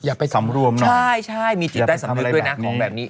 อย่าไปกันร่วมใช่มีจิตรสำนึกด้วยนะคนแบบนี้